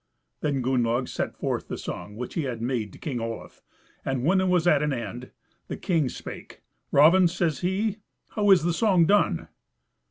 Then Gunnlaug set forth the song which he had made to King Olaf, and when it was at an end the king spake. "Raven," says he, "how is the song done?"